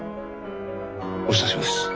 お久しぶりです。